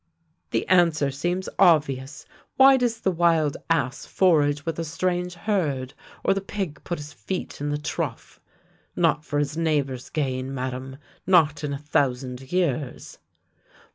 "" The answer seems obvious. Why does the wild ass forage with a strange herd, or the pig put his feet in the trough? Not for his neighbour's gain, Madame, jiot in a thousand years!